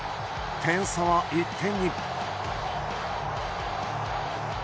点差は１点に。